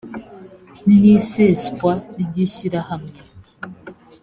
n iseswa ry ishyirahamwe